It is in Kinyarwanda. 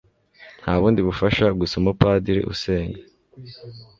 nta bundi bufasha gusa umupadiri usenga